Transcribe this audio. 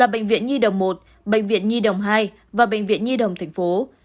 bệnh viện nhi đồng một bệnh viện nhi đồng hai và bệnh viện nhi đồng tp